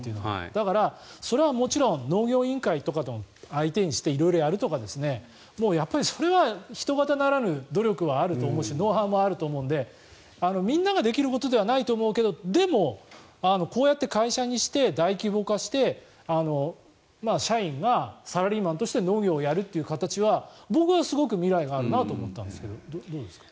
だからそれはもちろん農業委員会とかを相手にして色々やるとかそれは一方ならぬ努力はあると思うしノウハウもあると思うのでみんなができることではないけどでも、こうやって会社にして大規模化して社員がサラリーマンとして農業をやるっていう形は僕はすごく未来があるなと思ったんですけどどうですか？